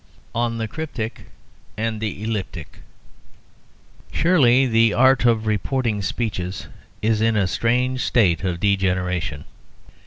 ON THE CRYPTIC AND THE ELLIPTIC Surely the art of reporting speeches is in a strange state of degeneration.